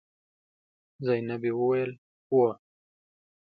زينبې وويل: هو.